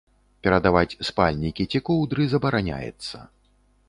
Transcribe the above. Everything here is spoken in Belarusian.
Перадаваць спальнікі ці коўдры забараняецца.